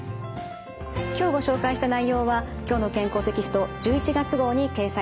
今日ご紹介した内容は「きょうの健康」テキスト１１月号に掲載されています。